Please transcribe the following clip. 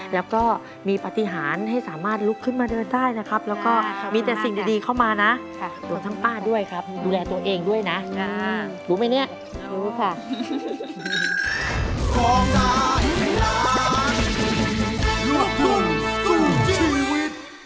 แล้วก็มีปฏิหารให้สามารถลุกขึ้นมาเดินได้นะครับแล้วก็มีแต่สิ่งดีเข้ามานะรวมทั้งป้าด้วยครับดูแลตัวเองด้วยนะรู้ไหมเนี่ยรู้ค่ะ